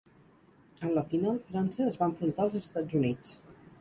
En la final, França es va enfrontar als Estats Units.